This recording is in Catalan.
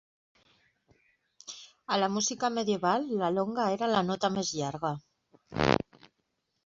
A la música medieval, la longa era la nota més llarga.